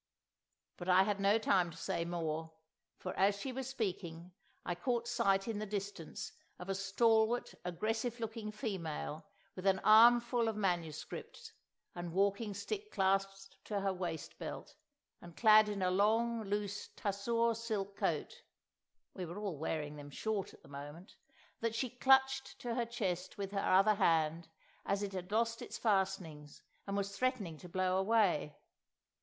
But I had no time to say more, for as she was speaking I caught sight in the distance of a stalwart, aggressive looking female, with an armful of MSS. and walking stick clasped to her waistbelt, and clad in a long, loose, tussore silk coat (we were all wearing them short at the moment) that she clutched to her chest with her other hand, as it had lost its fastenings, and was threatening to blow away.